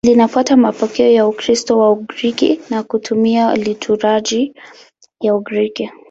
Linafuata mapokeo ya Ukristo wa Ugiriki na kutumia liturujia ya Ugiriki.